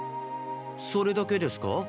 それだけですか？